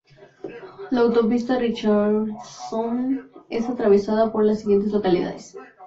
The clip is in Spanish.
La autopista Richardson es atravesada por las siguientes localidades.